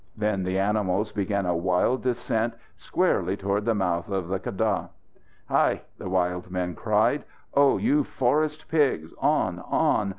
Then the animals began a wild descent squarely toward the mouth of the keddah. "Hai!" the wild men cried. "Oh, you forest pigs! On, on!